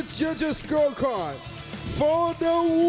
เพื่อตัวเกิด